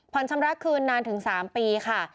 ชำระคืนนานถึง๓ปีค่ะ